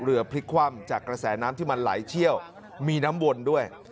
พลิกคว่ำจากกระแสน้ำที่มันไหลเชี่ยวมีน้ำวนด้วย